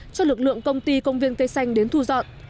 cho lực lượng công ty công viên cây xanh đến thu dọn